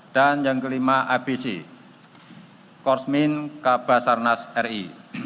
dan yang kelima abc korsmin kabasarnas ri